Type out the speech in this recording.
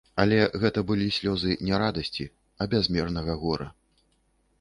Але гэта былі слёзы не радасці, а бязмернага гора.